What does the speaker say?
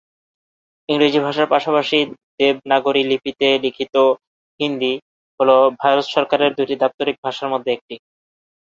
ইংরেজি ভাষার পাশাপাশি দেবনাগরী লিপিতে লিখিত হিন্দি হল ভারত সরকারের দুটি দাপ্তরিক ভাষার মধ্যে একটি।